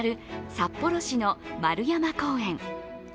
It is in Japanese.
札幌市の円山公園。